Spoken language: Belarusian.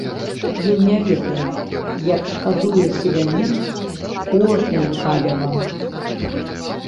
Ён не ведае, як шкадуе селянін кожнае каліва.